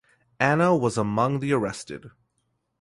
Anna was among the arrested.